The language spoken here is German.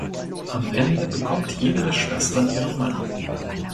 Am Ende bekommt jede der Schwestern ihren Mann.